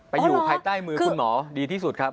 อยู่ภายใต้มือคุณหมอดีที่สุดครับ